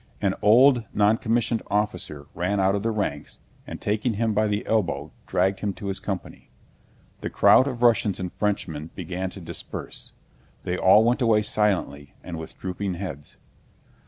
An old, noncommissioned officer ran out of the ranks and taking him by the elbow dragged him to his company. The crowd of Russians and Frenchmen began to disperse. They all went away silently and with drooping heads.